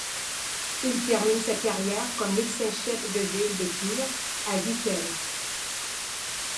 Il termine sa carrière comme médecin-chef de ville de cure, à Vittel.